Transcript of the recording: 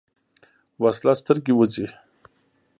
وسله سترګې وځي